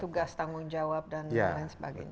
tugas tanggung jawab dan lain sebagainya